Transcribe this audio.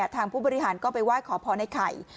ทางผู้บริหารก็ไปไหว้ขอพรในไข่